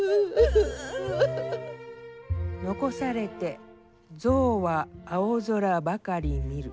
「遺されて象は青空ばかり見る」。